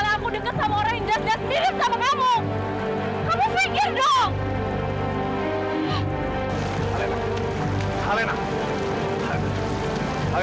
dulu lu sekarang singkin livi